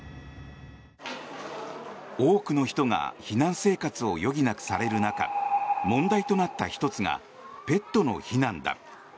多くの人が避難生活を余儀なくされる中問題となった１つがペットの避難だ。